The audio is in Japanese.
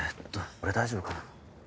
俺大丈夫かな？